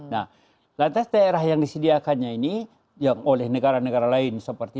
nah lantas daerah yang disediakannya ini yang oleh negara negara lain seperti